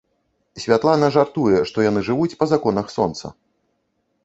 Святлана жартуе, што яны жывуць па законах сонца.